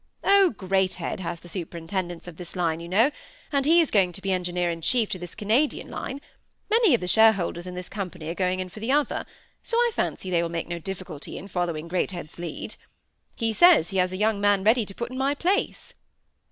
"Oh, Greathed has the superintendence of this line, you know; and he is going to be engineer in chief to this Canadian line; many of the shareholders in this company are going in for the other, so I fancy they will make no difficulty in following Greathed's lead. He says he has a young man ready to put in my place."